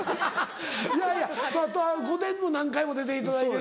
いやいや『御殿‼』も何回も出ていただいてる。